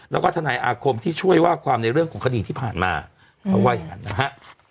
แล้วก็ทนายอาคมที่ช่วยว่าความในเรื่องของคดีที่ผ่านมาเขาว่าอย่างนั้นนะฮะ